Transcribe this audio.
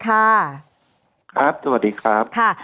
ครับสวัสดีครับ